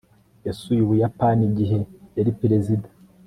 Yasuye Ubuyapani igihe yari perezida